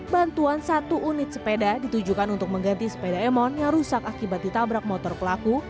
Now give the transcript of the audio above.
bantuan satu unit sepeda ditujukan untuk mengganti sepeda emon yang rusak akibat ditabrak motor pelaku